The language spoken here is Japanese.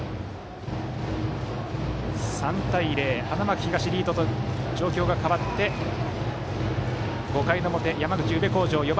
３対０、花巻東リードと状況が変わって５回の表、山口・宇部鴻城の攻撃